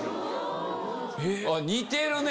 似てるね。